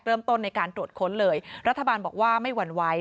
เริ่มต้นในการตรวจค้นเลยรัฐบาลบอกว่าไม่หวั่นไหว